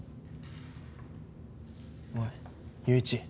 おい友一。